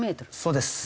そうです。